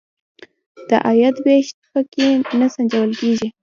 د عاید وېش په کې نه سنجول کیږي.